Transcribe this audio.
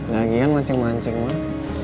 gagian mancing mancing mah